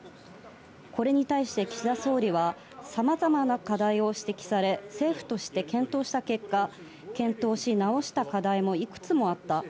これに対して岸田総理はさまざまな課題を指摘され、政府としても検討した結果、検討し、直した課題もいくつもあった。